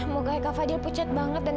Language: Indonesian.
noga perchengkan noga premier pulang